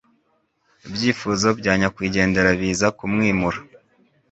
ibyifuzo bya nyakwigendera biza kumwimura